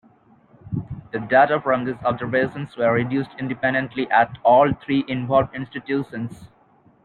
The data from these observations were reduced independently at all three involved institutions.